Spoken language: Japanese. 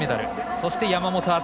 そして山本篤。